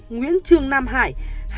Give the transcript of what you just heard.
nguyễn trường nam hải